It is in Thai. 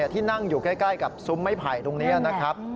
ที่นั่งอยู่ใกล้กับซุ้มไม้ไผ่ตรงนี้นะครับ